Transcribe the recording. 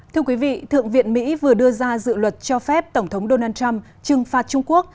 thưa quý vị thượng viện mỹ vừa đưa ra dự luật cho phép tổng thống donald trump trừng phạt trung quốc